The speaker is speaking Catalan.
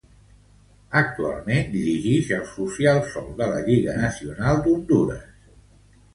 Actualment dirigix el Social Sol de la Lliga Nacional d'Hondures.